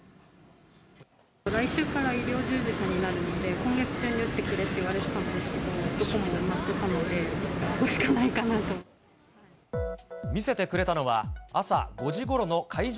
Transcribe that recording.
来週から医療従事者になるので、今月中に打ってくれって言われてたんですけど、どこも埋まってた見せてくれたのは、朝５時ごろの会場